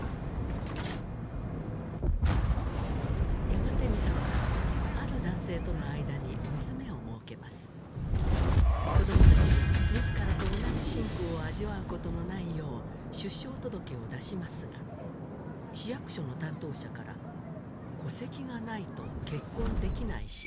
やがて美砂子さんはある男性との間に娘をもうけます子どもたちが自らと同じ辛苦を味わうことのないよう出生届を出しますが市役所の担当者から「戸籍がないと結婚できないし」